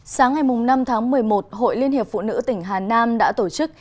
sáng ngày năm tháng một mươi một hội liên hiệp phụ nữ tỉnh hà nam đã tổ chức